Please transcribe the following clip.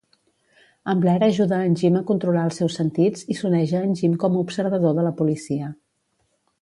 En Blair ajuda a en Jim a controlar els seus sentits i s'uneix a en Jim com a observador de la policia.